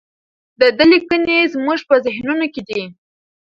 د ده لیکنې زموږ په ذهنونو کې دي.